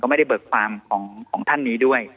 ไม่ได้เบิกความของท่านนี้ด้วย